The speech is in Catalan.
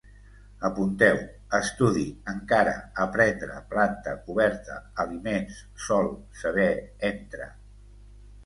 Apunteu: estudi, encara, aprendre, planta, coberta, aliments, sol, saber, entre